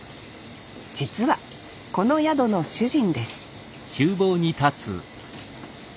実はこの宿の主人です